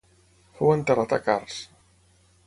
Fou enterrat a Kars.